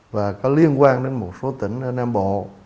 và có liên quan đến một số tỉnh ở nam bộ